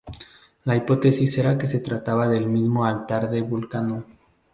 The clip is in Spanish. La hipótesis era que se trataba del mismo altar de Vulcano.